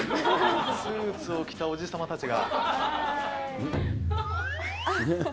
スーツを着たおじさまたちが。